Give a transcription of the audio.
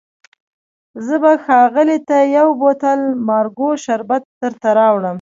زه به ښاغلي ته یو بوتل مارګو شربت درته راوړم.